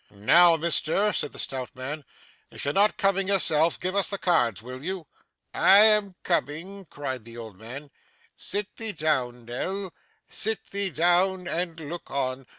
'Now, mister,' said the stout man. 'If you're not coming yourself, give us the cards, will you?' 'I am coming,' cried the old man. 'Sit thee down, Nell, sit thee down and look on.